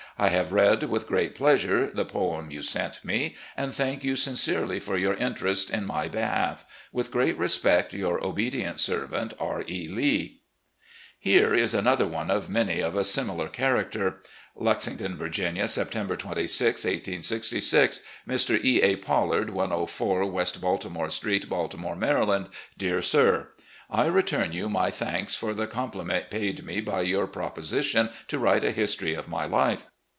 I have read with great pleasure the poem you sent me, and thank you sincerely for your interest in my behalf. With great respect, " Yoiu: obedient servant, "R. E. Lee." Here is another one of many of a similar character: "Lexington, Vii^^nia, September 26, 1866. "Mr. E. a. Pollard, "104 West Baltimore St., "Baltimore, Md. "Dear Sir: I return you my thanks for the compli ment paid me by your proposition to write a history of my life.